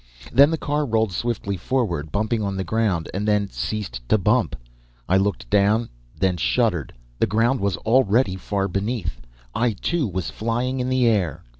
Then the car rolled swiftly forward, bumping on the ground, and then ceased to bump. I looked down, then shuddered. The ground was already far beneath! I too, was flying in the air!